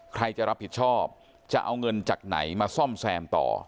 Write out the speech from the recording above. ใครจะรับผิดชอบจะเอาเงินจากไหนมาซ่อมแซมต่อ